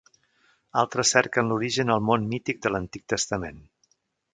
Altres cerquen l'origen al món mític de l'Antic Testament.